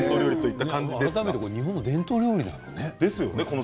改めて日本の伝統料理なんですね。